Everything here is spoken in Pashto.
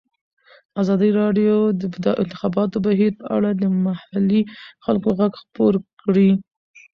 ازادي راډیو د د انتخاباتو بهیر په اړه د محلي خلکو غږ خپور کړی.